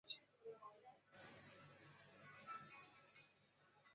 山号是大龟山。